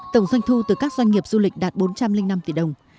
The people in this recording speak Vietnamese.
tổng doanh thu từ các doanh nghiệp du lịch đạt bốn trăm linh năm tỷ đồng